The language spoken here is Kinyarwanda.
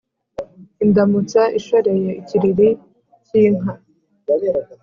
indamutsa ishoreye ikiriri k’inka